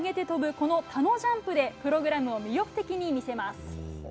このタノジャンプでプログラムを魅力的に見せます。